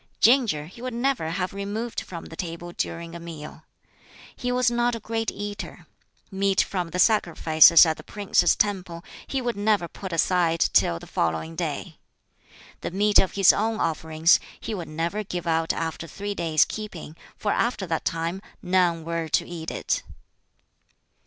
Ginger he would never have removed from the table during a meal. He was not a great eater. Meat from the sacrifices at the prince's temple he would never put aside till the following day. The meat of his own offerings he would never give out after three days' keeping, for after that time none were to eat it.